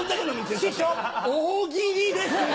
師匠大喜利ですよ！